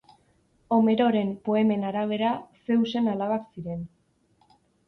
Homeroren poemen arabera Zeusen alabak ziren.